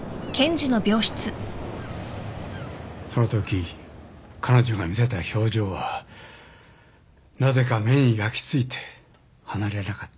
そのとき彼女が見せた表情はなぜか目に焼き付いて離れなかったんだ。